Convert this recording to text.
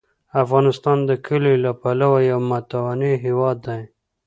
افغانستان د کلیو له پلوه یو متنوع هېواد دی.